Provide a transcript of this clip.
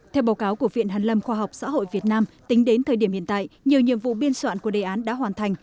theo báo cáo của viện hàn lâm khoa học xã hội việt nam tính đến thời điểm hiện tại nhiều nhiệm vụ biên soạn của đề án đã hoàn thành